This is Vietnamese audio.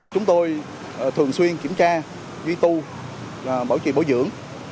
chúng tôi thường xuyên kiểm tra duy tu bảo trì bồi dưỡng